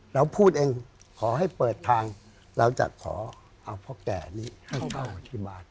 เราพูดเองขอให้เปิดทางเราจะขอเอาพ่อแก่นี้ให้เข้ามาที่บ้าน